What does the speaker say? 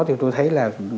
thì tôi thấy là